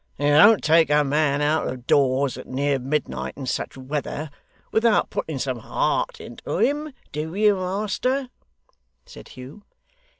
'You don't take a man out of doors at near midnight in such weather, without putting some heart into him, do you, master?' said Hugh.